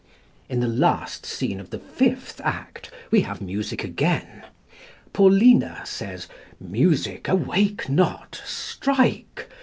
In the last scene of the fifth act we have music again. Paulina says, "Music, awake not; strike!"